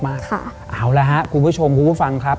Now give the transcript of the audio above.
เอาละครับคุณผู้ชมคุณผู้ฟังครับ